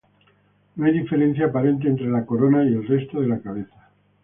No hay diferencia aparente entre la corona y el resto de la cabeza.